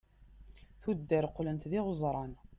tuddar qlent d iɣeẓran